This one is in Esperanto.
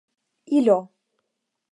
ilo